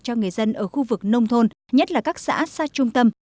cho người dân ở khu vực nông thôn nhất là các xã xa trung tâm